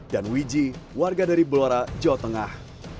dan wiji warga dari belora jawa tengah